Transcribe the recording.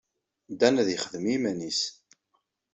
Dan ad yexdem i yiman-nnes.